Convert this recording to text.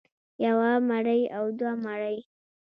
يوه مرۍ او دوه مرۍ